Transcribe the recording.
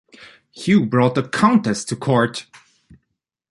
Hugh brought the countess to court.